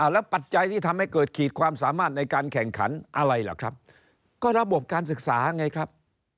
แล้วปัจจัยที่ทำให้เกิดขีดความสามารถในการแข่งขันอะไรล่ะครับก็ระบบการศึกษาไงครับ